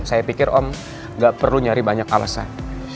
saya pikir om gak perlu nyari banyak alasan